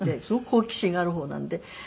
すごく好奇心があるほうなので。